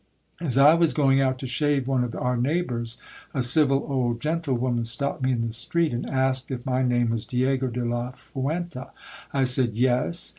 As I was going out to shave one of 0'ir neighbours, a civil old gentlewoman stopped me in the street, and asked if ny name was Diego de la Fuenta. I said, Yes.